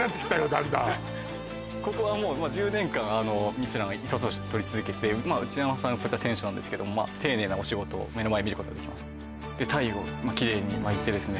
だんだんここはもう１０年間あのミシュラン１つ星とり続けてまあ内山さん店主なんですけども丁寧なお仕事を目の前で見ることができますで鯛をキレイに巻いてですね